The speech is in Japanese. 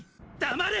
黙れ！